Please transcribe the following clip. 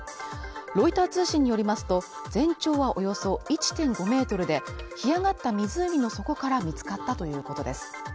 ロイター通信によりますと、全長はおよそ１．５ｍで干上がった湖の底から見つかったということです。